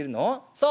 「そう。